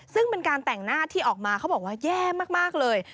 ซึ่งเป็นการแต่งหน้าที่ออกมาเขาบอกว่าแย่มากเลย